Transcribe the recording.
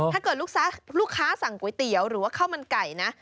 ถ้าเกิดลูกค้าสั่งก๋วยเตี๋ยวหรือว่าข้าวมันไก่นะ